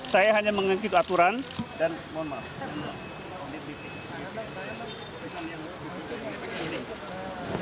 saya hanya mengengkit aturan dan mohon maaf